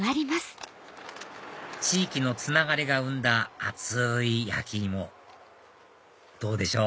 地域のつながりが生んだ熱い焼き芋どうでしょう？